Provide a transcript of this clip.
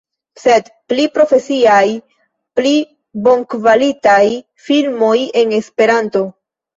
Sed pli profesiaj, pli bonkvalitaj filmoj en Esperanto